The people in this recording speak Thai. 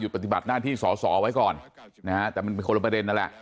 ปฏิบัติหน้าที่สอสอไว้ก่อนนะฮะแต่มันเป็นคนละประเด็นนั่นแหละ